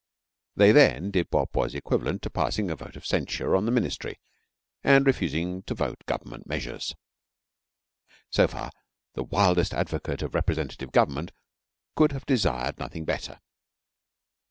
They then did what was equivalent to passing a vote of censure on the Ministry and refusing to vote government measures. So far the wildest advocate of representative government could have desired nothing better.